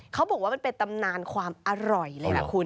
เขาบอกว่ามันเป็นตำนานความอร่อยเลยล่ะคุณ